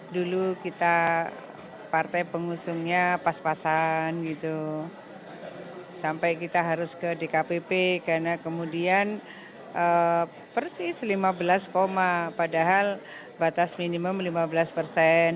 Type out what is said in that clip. dulu kita partai pengusungnya pas pasan gitu sampai kita harus ke dkpp karena kemudian persis lima belas padahal batas minimum lima belas persen